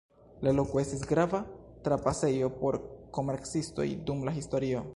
La loko estis grava trapasejo por komercistoj dum la historio.